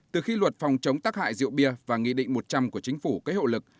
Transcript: từ khi luật phòng chống tác hại rượu bia và nghị định một trăm linh của chính phủ kết hậu lực